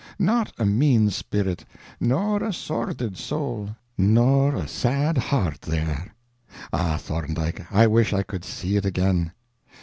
not a mean spirit, nor a sordid soul, nor a sad heart there—ah, Thorndike, I wish I could see it again.